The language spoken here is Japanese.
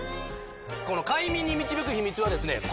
この快眠に導く秘密はですね